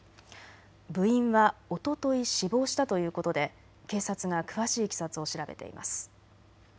部員はおととい死亡したということで警察が詳しいいきさつを調べています。